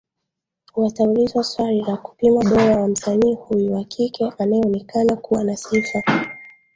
wataulizwa swali la kupima bora wa msanii huyu wa kike anayeonekana kuwa na sifa